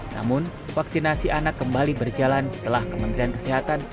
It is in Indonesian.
namun vaksinasi anak kembali berjalan setelah kementerian kesehatan